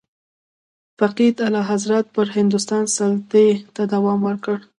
فقید اعلیحضرت پر هندوستان سلطې ته دوام ورکړ.